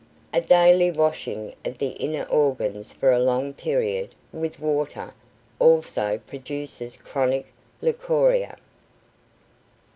A daily washing of the inner organs for a long period with water also produces chronic leucorrhea.